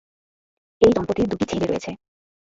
এই দম্পতির দুটি ছেলে রয়েছে।